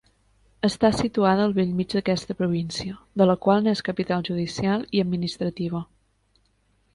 Està situada al bell mig d'aquesta província, de la qual n'és capital judicial i administrativa.